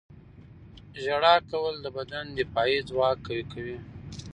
• ژړا کول د بدن دفاعي ځواک قوي کوي.